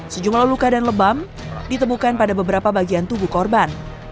sejumlah luka dan lebam ditemukan pada beberapa bagian tubuh korban